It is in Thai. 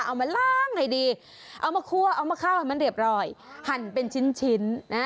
เอามาล้างให้ดีเอามาคั่วเอามาข้าวให้มันเรียบร้อยหั่นเป็นชิ้นชิ้นนะ